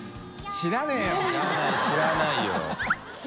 知らないよ。